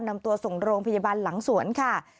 นำตัวส่งโรงพยาบาลหลังสวนค่ะ